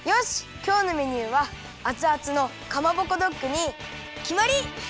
きょうのメニューはアツアツのかまぼこドッグにきまり！